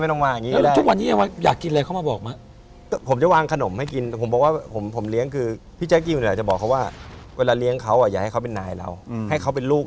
เหมือนตอนออกไปแม่ก็บอกอย่าออกไปนะลูก